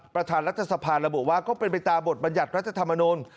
ประธานรัฐสภาระบุว่าก็เป็นไปตามบทบรรยัติรัฐธรรมนุน